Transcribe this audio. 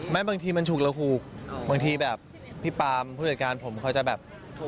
บางทีมันฉุกระหุกบางทีแบบพี่ปามผู้จัดการผมเขาจะแบบ